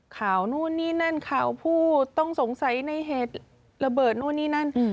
ข่าวนู่นนี่นั่นข่าวผู้ต้องสงสัยในเหตุระเบิดนู่นนี่นั่น